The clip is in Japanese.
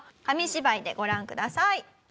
紙芝居でご覧ください。